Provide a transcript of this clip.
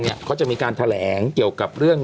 เขาจะมีการแถลงเกี่ยวกับเรื่อง